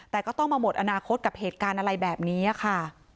แต่ก็ต้องมาหมดอนาคตกับเหตุการณ์อะไรแบบนี้ค่ะ